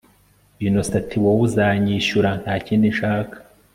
Innocent atiwowe uzayanyishyura ntakindi nshaka